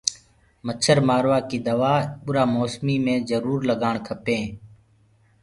مڇآ مآروآ ڪي دوآ اُرو موسمو مي جروُر لگآڻ ڪپينٚ۔